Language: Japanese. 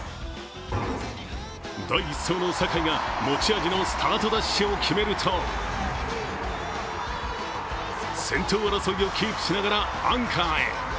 第１走の坂井が持ち味のスタートダッシュを決めると先頭争いをキープしながらアンカーへ。